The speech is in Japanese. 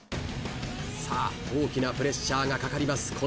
さあ大きなプレッシャーがかかります